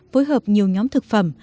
phối hợp nhiều nhóm thực phẩm